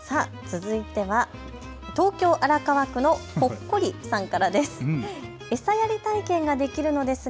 続いては東京荒川区のほっこりさんからです。